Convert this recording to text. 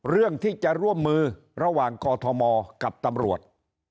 เรื่องที่จะร่วมมือระหว่างกอทมกับตำรวจ